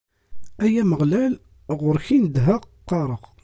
Ay Ameɣlal, ɣur-k i nedheɣ, qqareɣ.